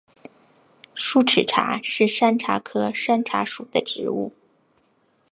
疏齿茶是山茶科山茶属的植物。